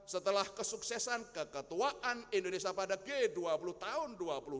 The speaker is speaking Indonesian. setelah kesuksesan keketuaan indonesia pada g dua puluh tahun dua ribu dua puluh dua